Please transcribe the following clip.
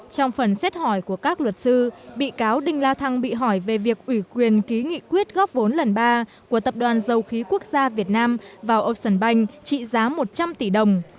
trong phần xét hỏi của các luật sư bị cáo đinh la thăng bị hỏi về việc ủy quyền ký nghị quyết góp vốn lần ba của tập đoàn dầu khí quốc gia việt nam vào ocean bank trị giá một trăm linh tỷ đồng